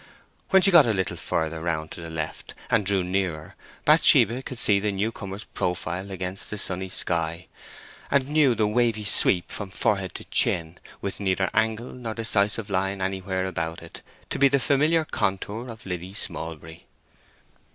When she got a little further round to the left, and drew nearer, Bathsheba could see the newcomer's profile against the sunny sky, and knew the wavy sweep from forehead to chin, with neither angle nor decisive line anywhere about it, to be the familiar contour of Liddy Smallbury.